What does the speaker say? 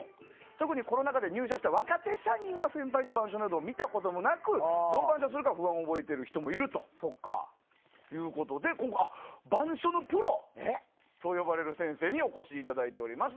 特にコロナ禍で入社した若手社員は先輩の板書などを見たこともなくどう板書をするか不安を覚えている人もいるということで板書のプロと呼ばれる先生にお越しいただいております。